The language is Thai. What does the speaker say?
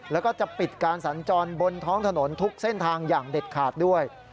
แล้วก็จะปิดการสัญจรบนท้องถนนทุกเส้นทางอย่างเด็ดขาดด้วย